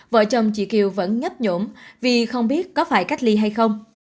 vợ chồng chị kiều vẫn nhấp nhỗm vì không biết có phải cách ly hay không